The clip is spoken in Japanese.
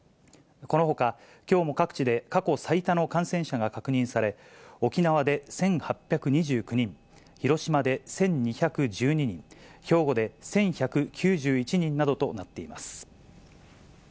このほか、きょうも各地で過去最多の感染者が確認され、沖縄で１８２９人、広島で１２１２人、兵庫で１１９１人などとなっています。